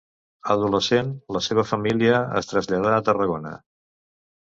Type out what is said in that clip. Adolescent, la seva família es traslladà a Tarragona.